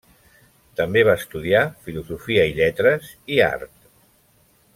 També va estudiar Filosofia i Lletres i Art.